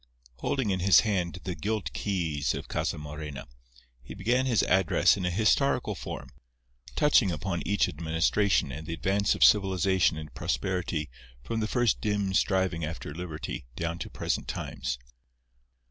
Holding in his hand the gilt keys of Casa Morena, he began his address in a historical form, touching upon each administration and the advance of civilization and prosperity from the first dim striving after liberty down to present times.